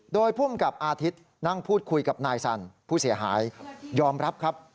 โดยภูมิกับอาทิตย์นั่งพูดคุยกับนายสันผู้เสียหายยอมรับครับ